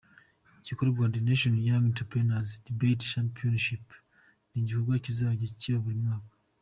Igikorwa “The National young entrepreneur’s debate championship” ni igikorwa kizajya kiba buri mwaka.